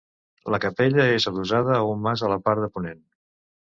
La capella és adossada a un mas a la part de ponent.